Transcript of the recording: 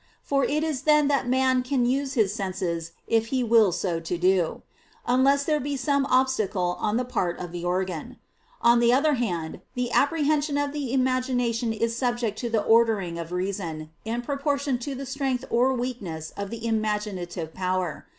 For it is then that man can use his senses if he will so to do; unless there be some obstacle on the part of the organ. On the other hand, the apprehension of the imagination is subject to the ordering of reason, in proportion to the strength or weakness of the imaginative power.